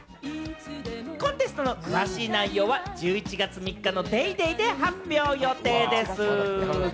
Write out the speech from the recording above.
コンテストの詳しい内容は１１月３日の『ＤａｙＤａｙ．』で発表予定です。